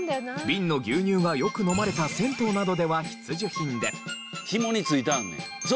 瓶の牛乳がよく飲まれた銭湯などでは必需品で。